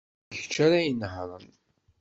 D kečč ara inehṛen.